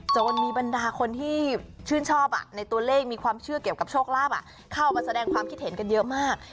จนมีบรรดาคนที่ชื่นชอบในตัวเลขมีความเชื่อเกี่ยวกับโชคลาภเข้ามาแสดงความคิดเห็นกันเยอะมาก